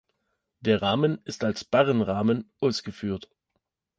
Der Rahmen ist als Barrenrahmen ausgeführt.